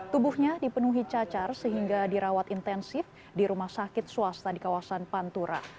tubuhnya dipenuhi cacar sehingga dirawat intensif di rumah sakit swasta di kawasan pantura